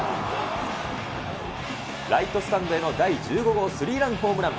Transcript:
ライトスタンドへの第１５号スリーランホームラン。